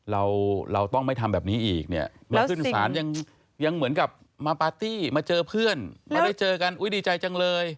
เราเราต้องไม่ทำแบบนี้อีกเนี่ยมาขึ้นศาลยังเหมือนกับมาปาร์ตี้มาเจอเพื่อนมาได้เจอกันอุ๊ยดีใจจังเลย